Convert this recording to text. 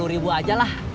dua puluh ribu ajalah